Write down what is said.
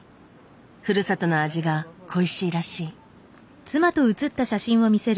ふるさとの味が恋しいらしい。